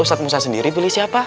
pusat musa sendiri pilih siapa